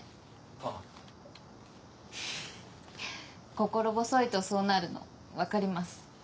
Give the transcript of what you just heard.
心細いとそうなるの分かります。